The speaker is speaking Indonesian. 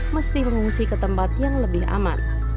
mesti mengungsi ke tempat yang lebih aman